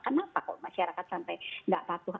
kenapa kok masyarakat sampai nggak patuh